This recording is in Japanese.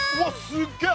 すっげえ！